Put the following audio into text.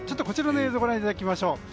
こちらの映像をご覧いただきましょう。